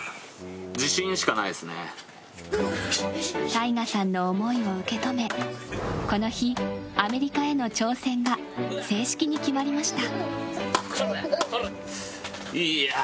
ＴＡＩＧＡさんの思いを受け止めこの日、アメリカへの挑戦が正式に決まりました。